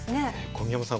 小宮山さん